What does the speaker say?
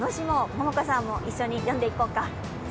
ももこさんも一緒に読んでいこうか。